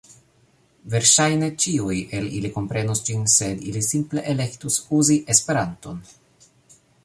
Verŝajne, ĉiuj el ili komprenos ĝin, sed ili simple elektus uzi Esperanton.